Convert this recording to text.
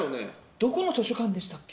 どこの図書館でしたっけ？